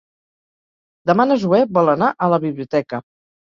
Demà na Zoè vol anar a la biblioteca.